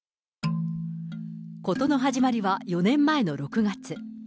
事の始まりは４年前の６月。